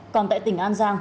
còn tại tỉnh an gia